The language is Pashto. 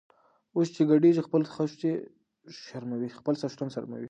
اوښ چی ګډیږي خپل څښتن شرموي .